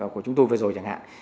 của chúng tôi vừa rồi chẳng hạn